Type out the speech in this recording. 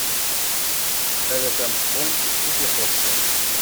Ala tameqqunt i t-ixuṣṣen.